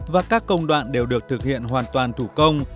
và các công đoạn đều được thực hiện hoàn toàn thủ công